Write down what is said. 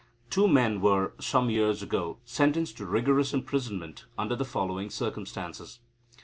Two men were, some years ago, sentenced to rigorous imprisonment under the following circumstances.